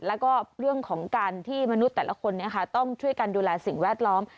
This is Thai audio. แล้วก็เรื่องของการที่มนุษย์แต่ละคนต้องช่วยกันดูแลสิ่งแวดล้อม